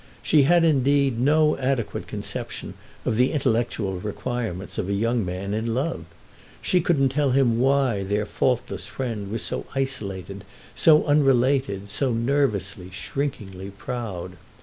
She had indeed no adequate conception of the intellectual requirements of a young man in love. She couldn't tell him why their faultless friend was so isolated, so unrelated, so nervously, shrinkingly proud.